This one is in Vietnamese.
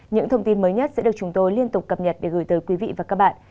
những thông tin mới nhất sẽ được chúng tôi liên tục cập nhật để gửi tới quý vị và các bạn